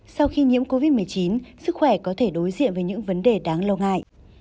sau khi nhiễm covid một mươi chín sức khỏe có thể đối diện với những vấn đề đáng lo ngại